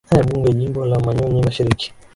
ee mbunge jimbo la manyonyi mashariki